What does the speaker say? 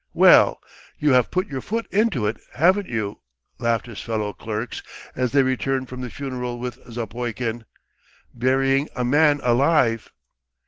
"Well, you have put your foot into it, haven't you!" laughed his fellow clerks as they returned from the funeral with Zapoikin. "Burying a man alive!"